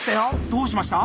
どうしました？